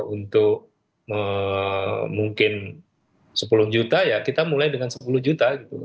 untuk mungkin sepuluh juta ya kita mulai dengan sepuluh juta gitu